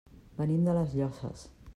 Venim de les Llosses.